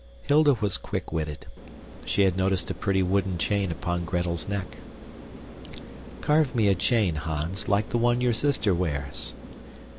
Hilda was quick witted. She had noticed a pretty wooden chain upon Gretel's neck. "Carve me a chain, Hans, like the one your sister wears."